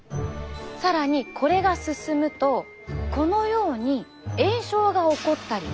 更にこれが進むとこのように炎症が起こったり。